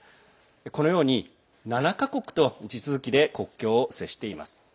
このように７か国と地続きで国境を接しています。